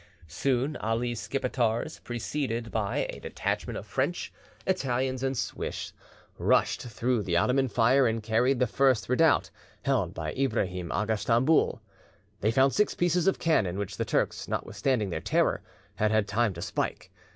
Soon Ali's Skipetars, preceded by a detachment of French, Italians, and Swiss, rushed through the Ottoman fire and carried the first redoubt, held by Ibrahim Aga Stamboul. They found six pieces of cannon, which the Turks, notwithstanding their terror, had had time to spike.